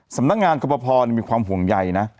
สำนักงานกรปภมีความห่วงใยนะ